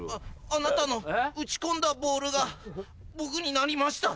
あなたの打ち込んだボールが僕になりました。